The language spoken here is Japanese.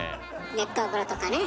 熱湯風呂とかね。